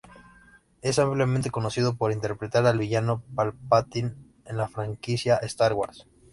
Es ampliamente conocido por interpretar al villano Palpatine en la franquicia "Star Wars".